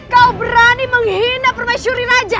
kau berani menghina permaisuri raja